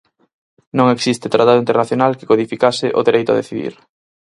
Non existe tratado internacional que codificase o dereito a decidir.